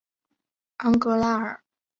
昂格拉尔。